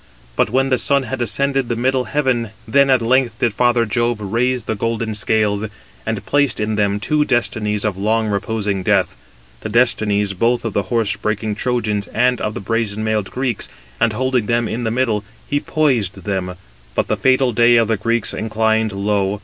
But when the sun had ascended the middle heaven, then at length did Father Jove raise the golden scales, and placed in them two destinies of long reposing death, [the destinies] both of the horse breaking Trojans and of the brazen mailed Greeks, and holding them in the middle, he poised them; but the fatal day of the Greeks inclined low.